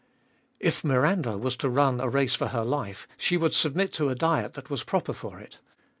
3. "If Miranda was to run a race for her life, he would submit to a diet that was proper for it.